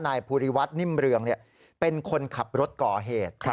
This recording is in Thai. นายภูริวัฒนิ่มเรืองเป็นคนขับรถก่อเหตุ